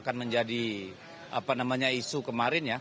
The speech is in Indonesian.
akan menjadi apa namanya isu kemarin ya